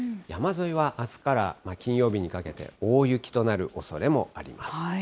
山沿いはあすから金曜日にかけて大雪となるおそれもあります。